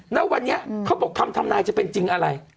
ณวันนี้เขาบอกคำทำนายจะเป็นจริงอะไร